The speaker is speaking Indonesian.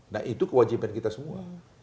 nah itu kewajiban kita semua